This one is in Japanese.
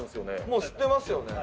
もう知ってますよね？